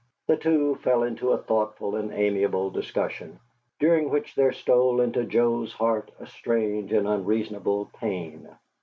The two fell into a thoughtful and amiable discussion, during which there stole into Joe's heart a strange and unreasonable pain.